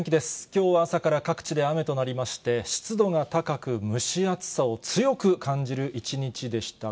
きょうは朝から各地で雨となりまして、湿度が高く、蒸し暑さを強く感じる一日でした。